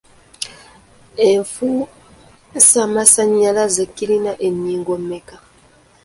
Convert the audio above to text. Enfuusamasannyalaze kirina ennyingo mmeka?